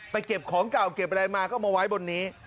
เก็บของเก่าเก็บอะไรมาก็มาไว้บนนี้